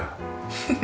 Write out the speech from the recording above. フフフフ。